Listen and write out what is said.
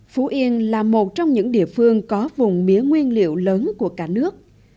phú yên là một trong những địa phương có vùng mía nguyên liệu lớn của cả nước